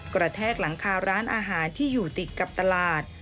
กระแทกหลังคาร้านอาหารที่อยู่ติดกับตลาด